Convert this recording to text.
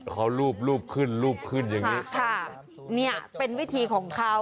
เขารูปรูปขึ้นรูปขึ้นอย่างนี้ค่ะเนี่ยเป็นวิธีของเขา